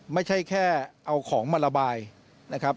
ไม่ใช่แค่เอาของมาระบายนะครับ